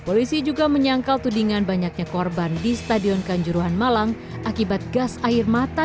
polisi juga menyangkal tudingan banyaknya korban di stadion kanjuruhan malang akibat gas air mata